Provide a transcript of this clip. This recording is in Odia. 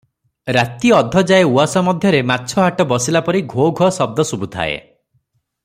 ରାତି ଅଧଯାଏ ଉଆସ ମଧ୍ୟରେ ମାଛ ହାଟ ବସିଲା ପରି ଘୋ ଘୋ ଶବ୍ଦ ଶୁଭୁଥାଏ ।